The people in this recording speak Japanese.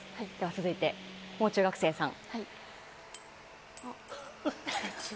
続いて、もう中学生さん。